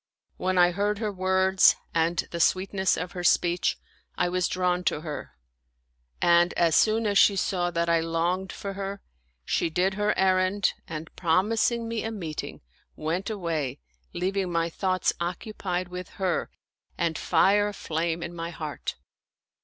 When I heard her words and the sweetness of her speech, I was drawn to her ; and as soon as she saw that I longed for her, she did her errand and promising me a meeting, went away, leaving my thoughts occupied with her and fire a flame in my heart.